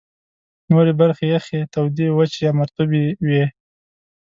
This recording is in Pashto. نورې برخې یخي، تودې، وچي یا مرطوبې وې.